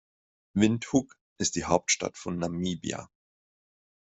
Windhoek ist die Hauptstadt von Namibia.